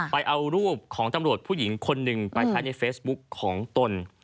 ไปเอารูปของตำรวจผู้หญิงคนหนึ่งไปใช้ในเฟซบุ๊กของตน